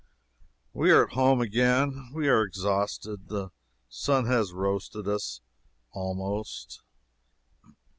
We are at home again. We are exhausted. The sun has roasted us, almost.